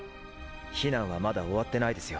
避難はまだ終わってないですよ。